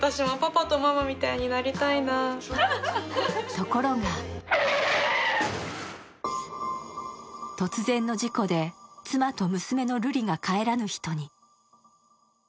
ところが突然の事故で、妻と娘の瑠璃が帰らぬ人に。